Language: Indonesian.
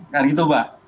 seperti itu mbak